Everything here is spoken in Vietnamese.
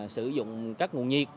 sử dụng các nguồn nhiệt